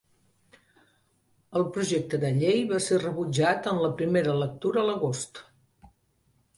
El projecte de llei va ser rebutjat en la primera lectura a l'agost.